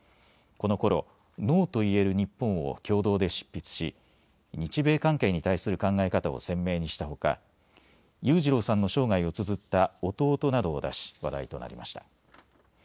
このころ、ＮＯと言える日本を共同で執筆し日米関係に対する考え方を鮮明にしたほか裕次郎さんの生涯をつづった弟などを出し話題となりました。